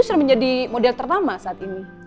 sudah menjadi model terutama saat ini